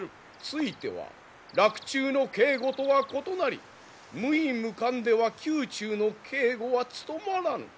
ついては洛中の警護とは異なり無位無冠では宮中の警護は務まらぬ。